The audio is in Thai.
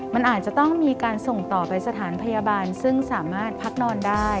มันอาจจะต้องมีการส่งต่อไปสถานพยาบาลซึ่งสามารถพักนอนได้